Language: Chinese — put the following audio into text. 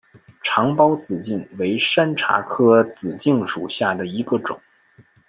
长苞紫茎为山茶科紫茎属下的一个种。